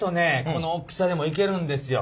このおっきさでもいけるんですよ。